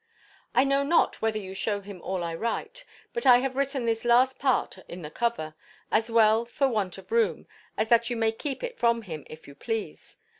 I know not whether you shew him all I write: but I have written this last part in the cover, as well for want of room, as that you may keep it from him, if you please.